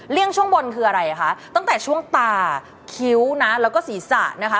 ช่วงบนคืออะไรคะตั้งแต่ช่วงตาคิ้วนะแล้วก็ศีรษะนะคะ